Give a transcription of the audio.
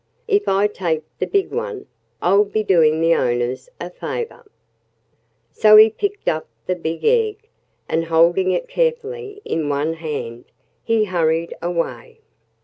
"If I take the big one I'll be doing the owners a favor." So he picked up the big egg, and holding it carefully in one hand he hurried away.